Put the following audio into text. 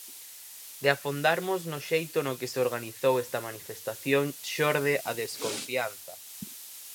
De afondarmos no xeito no que se organizou esta manifestación xorde a desconfianza.